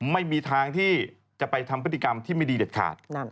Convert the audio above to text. ไม่มีทางที่จะไปทำพฤติกรรมที่ไม่ดีเด็ดขาด